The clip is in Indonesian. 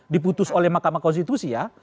diputus oleh mahkamah konstitusi ya